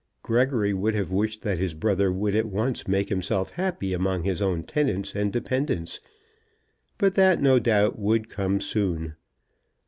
Gregory would have wished that his brother would at once make himself happy among his own tenants and dependents, but that, no doubt, would come soon.